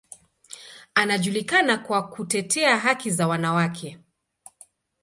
Anajulikana kwa kutetea haki za wanawake.